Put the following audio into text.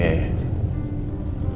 ini gue pengen